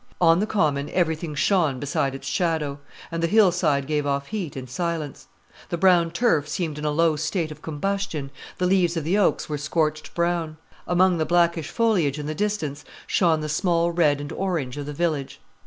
On the common everything shone beside its shadow, and the hillside gave off heat in silence. The brown turf seemed in a low state of combustion, the leaves of the oaks were scorched brown. Among the blackish foliage in the distance shone the small red and orange of the village.